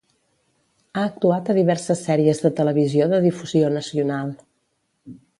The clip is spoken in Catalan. Ha actuat a diverses sèries de televisió de difusió nacional.